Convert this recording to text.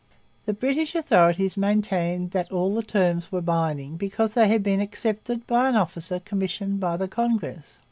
The British authorities maintained that all the terms were binding because they had been accepted by an officer commissioned by the Congress.